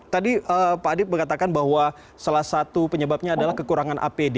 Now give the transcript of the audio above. tadi pak adip mengatakan bahwa salah satu penyebabnya adalah kekurangan apd